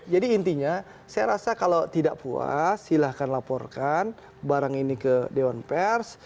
jadi intinya saya rasa kalau tidak puas silahkan laporkan barang ini ke dewan pers